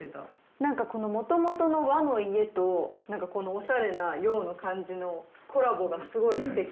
なんかもともとの和の家とおしゃれな洋の感じのコラボがすごいすてき。